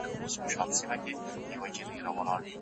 پر هر ګام باندي لحد او کفن زما دی